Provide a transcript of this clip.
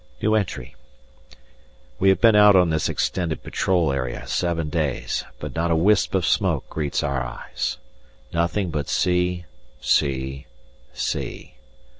We have been out on this extended patrol area seven days, but not a wisp of smoke greets our eyes. Nothing but sea, sea, sea.